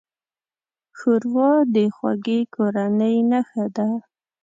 ښوروا د خوږې کورنۍ نښه ده.